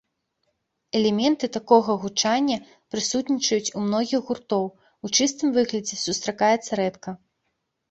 Элементы такога гучання прысутнічаюць у многіх гуртоў, у чыстым выглядзе сустракаецца рэдка.